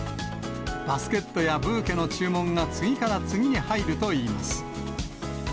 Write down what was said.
バスケットやブーケの注文が、次から次に入るといいます。